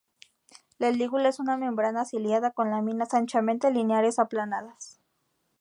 La lígula es una membrana ciliada; con láminas anchamente lineares, aplanadas.